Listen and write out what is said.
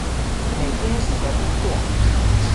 每天五個蘋果